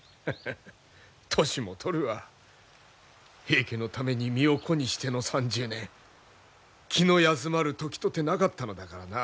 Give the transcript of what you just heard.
平家のために身を粉にしての３０年気の休まる時とてなかったのだからな。